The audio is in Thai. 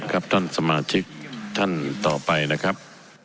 ท่านสมาชิกท่านต่อไปนะครับ